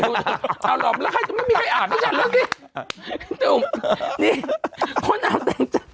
เออแต่ฝนตกปัก